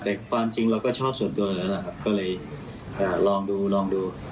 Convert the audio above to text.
แต่ความจริงเราก็ชอบส่วนตัวอยู่แล้วล่ะครับก็เลยลองดูลองดู